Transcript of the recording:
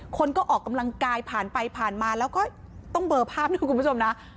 คนก็ออกกำลังกายผ่านไปผ่านมาแล้วก็ต้องเบอร์ภาพด้วยคุณผู้ชมนะ